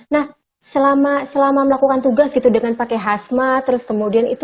nah selama selama melakukan tugas gitu dengan pakai hasmat terus kemudian itu